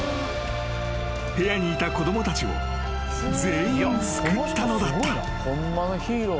［部屋にいた子供たちを全員救ったのだった］